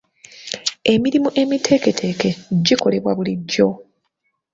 Emirimu emiteeketeeke gikolebwa bulijjo.